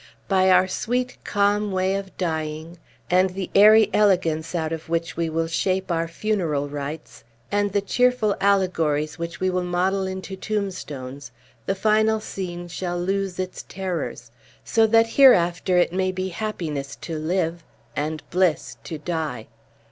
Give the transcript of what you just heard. By our sweet, calm way of dying, and the airy elegance out of which we will shape our funeral rites, and the cheerful allegories which we will model into tombstones, the final scene shall lose its terrors; so that hereafter it may be happiness to live, and bliss to die.